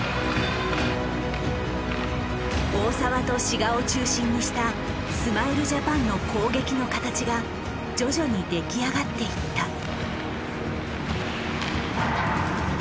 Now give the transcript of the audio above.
大澤と志賀を中心にしたスマイルジャパンの攻撃の形が徐々に出来上がっていった。